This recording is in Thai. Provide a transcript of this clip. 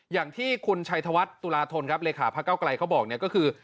อย่างที่คุณชัยธวัฒน์ตุลาธนครับเลขาพระเก้าไกลเขาบอกเนี่ยก็คือ